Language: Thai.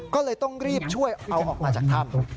ก็เลยต้องรีบช่วยเอาออกมาจากถ้ำ